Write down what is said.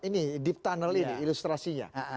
ini deep tunnel ini ilustrasinya